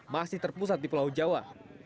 masih terpusat di pulau jawa